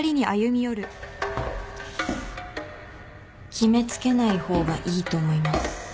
決め付けない方がいいと思います。